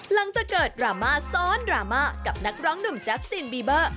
หลังจากเกิดดราม่าซ้อนดราม่ากับนักร้องหนุ่มแจ๊สตินบีเบอร์